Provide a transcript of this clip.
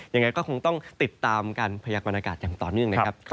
ยังไงก็คงต้องติดตามการพยากรณากาศอย่างต่อเนื่องนะครับ